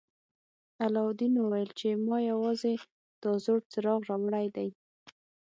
علاوالدین وویل چې ما یوازې دا زوړ څراغ راوړی دی.